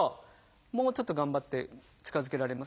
もうちょっと頑張って近づけられます？